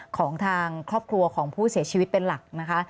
ของทางครอบครัวของผู้เสียชีวิตเป็นหลักนะคะ